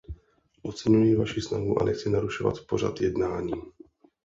Oceňuji vaši snahu a nechci narušovat pořad jednání.